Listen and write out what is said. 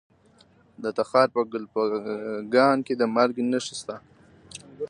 د تخار په کلفګان کې د مالګې نښې شته.